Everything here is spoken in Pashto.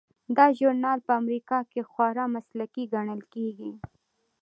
دا ژورنال په امریکا کې خورا مسلکي ګڼل کیږي.